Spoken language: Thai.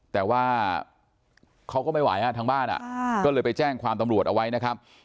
แต่ว่าเขาก็ไม่ไหวทางบ้านก็เลยไปแจ้งความตำรวจเอาไว้นะครับ